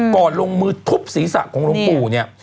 ลงมือทุบศีรษะของหลวงปู่เนี่ย